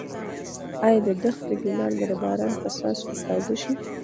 ایا د دښتې ګلان به د باران په څاڅکو تازه شي؟